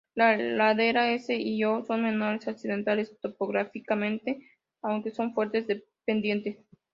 La laderas S y O son menos accidentadas topográficamente, aunque con fuerte pendiente.